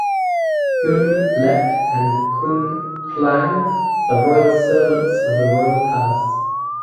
Khun Lek and Khun Klang are the royal servants of the Royal palace.